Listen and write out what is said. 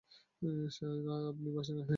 শিলা আপনি ভাসে না হে!